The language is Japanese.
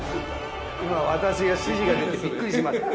今私が指示が出てびっくりしました。